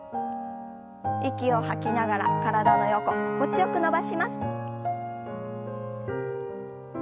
息を吐きながら体の横心地よく伸ばします。